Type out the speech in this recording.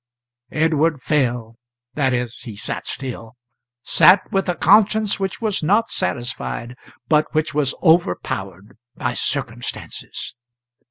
Edward fell that is, he sat still; sat with a conscience which was not satisfied, but which was overpowered by circumstances.